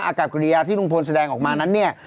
อากาศกริยาที่ลุงพลแสดงออกมานั้นเนี่ย